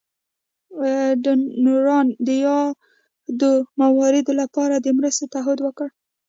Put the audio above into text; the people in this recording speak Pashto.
ډونرانو د یادو مواردو لپاره د مرستو تعهد وکړ.